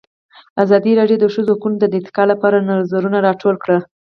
ازادي راډیو د د ښځو حقونه د ارتقا لپاره نظرونه راټول کړي.